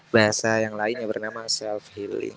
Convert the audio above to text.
bahasa yang lainnya bernama self healing